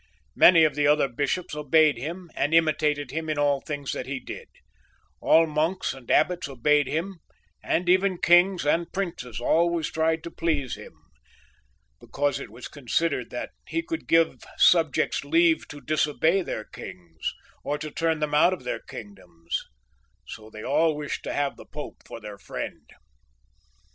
Many of the other bishops obeyed him and i9iitated him in all that he did ; all monks and abbots obeyed him, and even kings and princes always tried to please him, because it was considered that he could give, subjects leave to disobey their kings, or to turn them out of their kingdoms ; so they all wished to have the Pope for their friend.